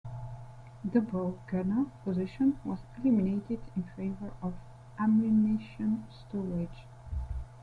The bow gunner position was eliminated in favor of ammunition stowage.